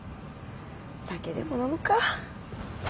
酒でも飲むか。